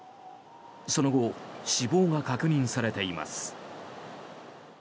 その後死亡が確認されています。